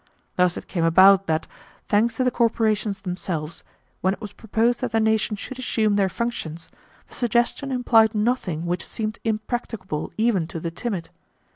Thus it came about that, thanks to the corporations themselves, when it was proposed that the nation should assume their functions, the suggestion implied nothing which seemed impracticable even to the timid.